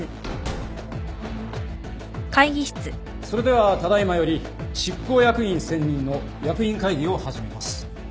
それではただ今より執行役員選任の役員会議を始めます。